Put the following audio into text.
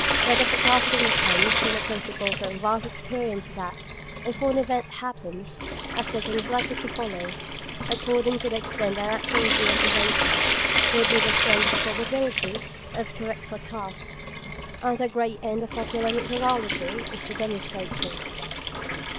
Weather forecasting depends on the principle from vast experience that, if one event happens, a second is likely to follow. According to the extent and accuracy of the data, will be the strength of the probability of correct forecasts. And the great end of popular meteorology is to demonstrate this.